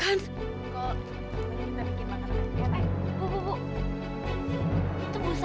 jadi aku mau bawa semuanya